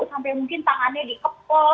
sampai mungkin tangannya dikepol